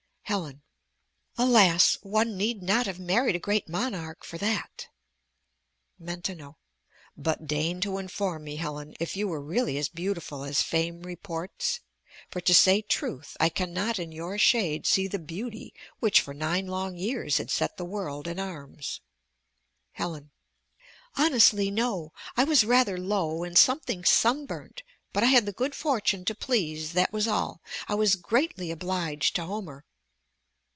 Helen Alas! one need not have married a great monarch for that. Maintenon But deign to inform me, Helen, if you were really as beautiful as fame reports? for to say truth, I cannot in your shade see the beauty which for nine long years had set the world in arms. Helen Honestly, no: I was rather low, and something sunburnt; but I had the good fortune to please; that was all. I was greatly obliged to Homer.